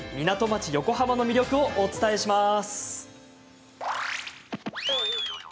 港町・横浜の魅力をお伝えします。